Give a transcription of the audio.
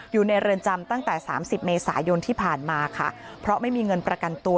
อยู่ในเรือนจำตั้งแต่สามสิบเมษายนที่ผ่านมาค่ะเพราะไม่มีเงินประกันตัว